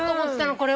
これは。